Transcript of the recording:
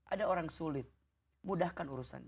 ada orang sulit mudahkan urusannya